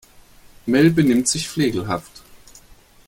Mel benimmt sich flegelhaft.